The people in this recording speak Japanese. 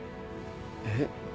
えっ？